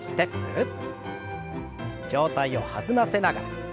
上体を弾ませながら。